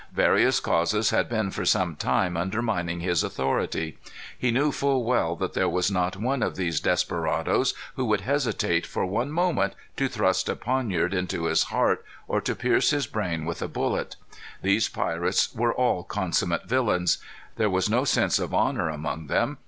Various causes had been for some time undermining his authority. He knew full well that there was not one of these desperadoes who would hesitate, for one moment, to thrust a poniard into his heart, or to pierce his brain with a bullet. These pirates were all consummate villains. There was no sense of honor among them.